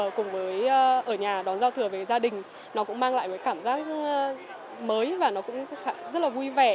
thì cùng với ở nhà đón giao thừa với gia đình nó cũng mang lại một cái cảm giác mới và nó cũng rất là vui vẻ